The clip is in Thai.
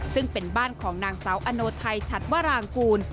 ซึ่งเป็นบ้านของนางสาวอโนไทยฉัดวรางกูล